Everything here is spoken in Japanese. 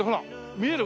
見える？